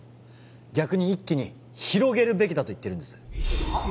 逆に一気に広げるべきだと言ってるんですはっ？